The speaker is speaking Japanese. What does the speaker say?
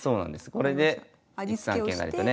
これで１三桂成とね。